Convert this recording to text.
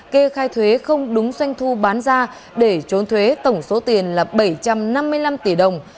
kê khai thuế không đúng doanh thu bán ra để trốn thuế tổng số tiền là bảy trăm năm mươi năm tỷ đồng